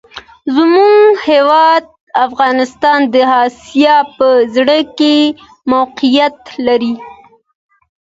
زموږ هېواد افغانستان د آسیا په زړه کي موقیعت لري.